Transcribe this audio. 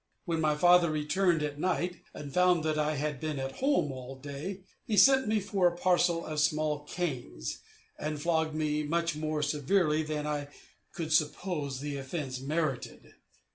When my father returned at night, and found that I had been at home all day, he sent me for a parcel of small canes, and flogged me much more severely than I could suppose the offence merited.